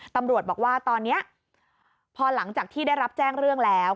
ตำรวจบอกว่าตอนนี้พอหลังจากที่ได้รับแจ้งเรื่องแล้ว